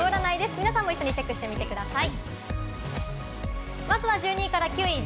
皆さんも一緒にチェックしてみてください。